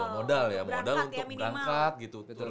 modal ya modal untuk berangkat gitu